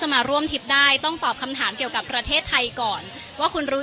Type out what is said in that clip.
ว่าการร่วมที่ที่นี่การรอบกับการที่ไทยก่อน